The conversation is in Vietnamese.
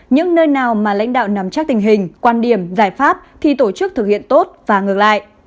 những nơi nào mà lãnh đạo nắm chắc tình hình quan điểm giải pháp thì tổ chức thực hiện tốt và ngược lại